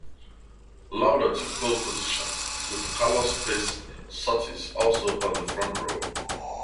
Lauda took pole position, with Carlos Pace's Surtees also on the front row.